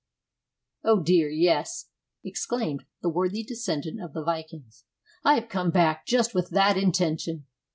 "O dear, yes," exclaimed the worthy descendant of the Vikings. "I have come back just with that intention.